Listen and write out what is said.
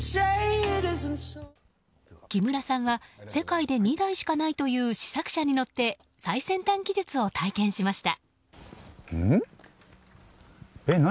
木村さんは、世界で２台しかないという試作車に乗って最先端技術を体験しました。